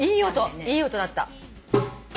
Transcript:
いい音だった。